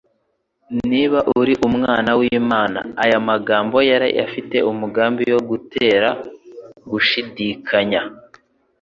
"niba uri Umwana w'Imana". Aya magambo yari afite umugambi wo gutera gushidikanya.